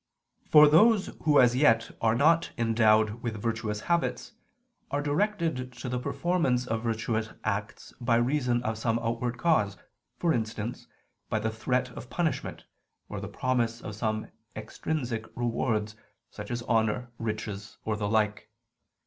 For those who as yet are not endowed with virtuous habits, are directed to the performance of virtuous acts by reason of some outward cause: for instance, by the threat of punishment, or the promise of some extrinsic rewards, such as honor, riches, or the like.